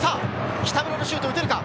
北村のシュート、打てるか。